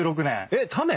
えっタメ？